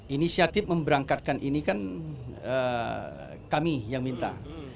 inisiatif memberangkatkan ini kan kami yang minta